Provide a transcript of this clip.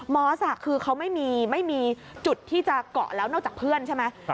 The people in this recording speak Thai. อสคือเขาไม่มีจุดที่จะเกาะแล้วนอกจากเพื่อนใช่ไหม